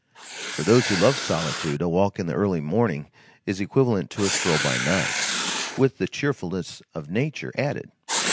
For those who love solitude, a walk in the early morning is equivalent to a stroll by night, with the cheerfulness of nature added.